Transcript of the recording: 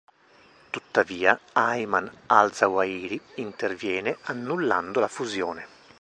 Tuttavia Ayman al-Zawahiri, interviene annullando la fusione.